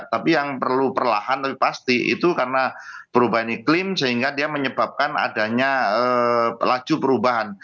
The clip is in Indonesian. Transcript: tapi yang perlu perlahan tapi pasti itu karena perubahan iklim sehingga dia menyebabkan adanya laju perubahan